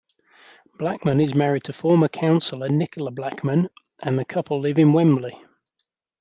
Blackman is married to former councillor Nicola Blackman, and the couple live in Wembley.